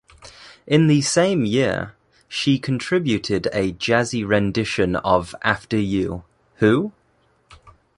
In the same year, she contributed a jazzy rendition of After You, Who?